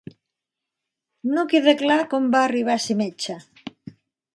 No queda clar com va arribar a ser metge.